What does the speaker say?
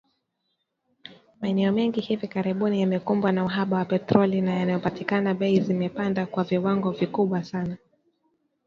Maeneo mengi hivi karibuni yamekumbwa na uhaba wa petroli na yanapopatikana, bei zimepanda kwa viwango vikubwa sana